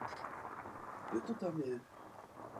Obraz byl patrně určen pro pohled z dálky.